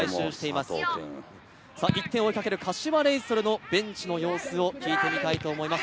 １点を追いかける柏レイソルのベンチの様子を聞いてみたいと思います。